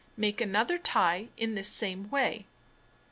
Make another tie in this same way.